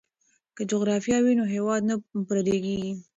که جغرافیه وي نو هیواد نه پردی کیږي.